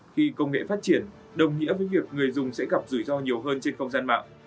khi công nghệ phát triển đồng nghĩa với việc người dùng sẽ gặp rủi ro nhiều hơn trên không gian mạng